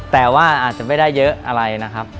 แต่ว่าอาจจะไม่ได้เยอะอะไรนะครับ